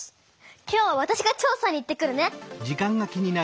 今日はわたしが調さに行ってくるね！